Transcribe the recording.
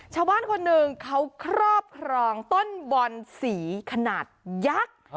ชาวบ้านคนหนึ่งเขาครอบครองต้นบอนสีขนาดยักษ์